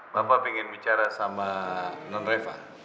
bapak ingin bicara sama non reva